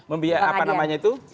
membiayai apa namanya itu